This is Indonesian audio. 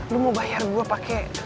lo mau bayar gue pake